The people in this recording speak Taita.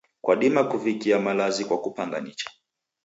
Kwadima kuvikia malazi kwa kupanga nicha.